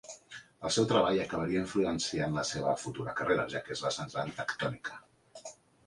El seu treball acabaria influenciant la seva futura carrera, ja que es va centrar en tectònica.